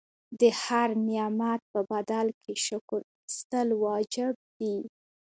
د هر نعمت په بدل کې شکر ایستل واجب دي.